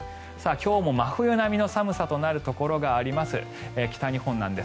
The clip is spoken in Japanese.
今日も真冬並みの寒さとなるところがあります。